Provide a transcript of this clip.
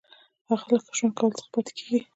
هغه له ښه ژوند کولو څخه پاتې کیږي.